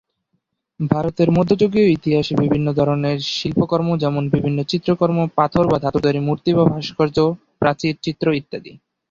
ভারতের মধ্যযুগীয় ইতিহাসে বিভিন্ন ধরনের শিল্পকর্ম যেমন বিভিন্ন চিত্রকর্ম, পাথর বা ধাতুর তৈরি মূর্তি বা ভাস্কর্য, প্রাচীর চিত্র ইত্যাদি।